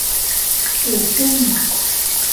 เสือซุ่ม